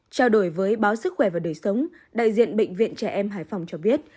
trao đổi với báo sức khỏe và đời sống đại diện bệnh viện trẻ em hải phòng cho biết